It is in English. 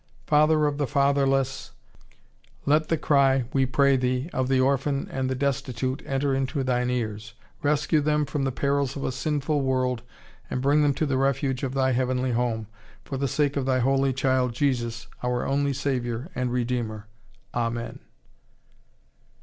Father of the fatherless, let the cry, we pray Thee, of the orphan and the destitute enter into Thine ears; rescue them from the perils of a sinful world and bring them to the refuge of Thy Heavenly Home, for the sake of Thy Holy Child Jesus, our only Saviour and Redeemer. Amen.